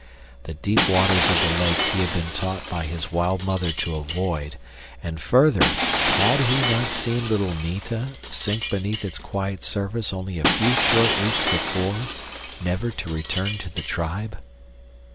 The deep waters of the lake he had been taught by his wild mother to avoid, and further, had he not seen little Neeta sink beneath its quiet surface only a few short weeks before never to return to the tribe?